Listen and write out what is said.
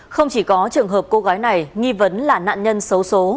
không chỉ có trường hợp cô gái này nghi vấn là nạn nhân xấu xố